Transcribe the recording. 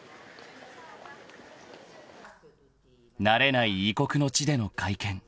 ［慣れない異国の地での会見］